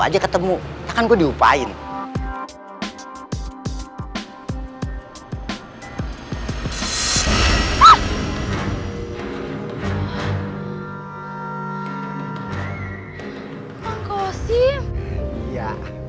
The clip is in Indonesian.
mau ke rumah yuli minjem buku iya